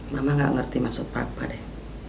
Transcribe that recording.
mama gak ngerti maksud bapak deh